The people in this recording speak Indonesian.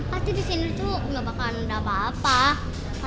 pasti di sini tuh nggak bakalan ada apa apa